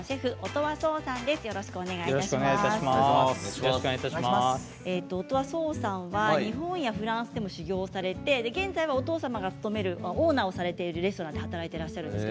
音羽創さんは日本やフランスでも修業をされて現在はお父様が勤めるオーナーをされているレストランで働いていらっしゃいます。